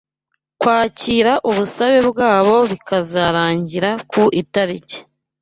kwakira ubusabe bwabo bikazarangira ku itariki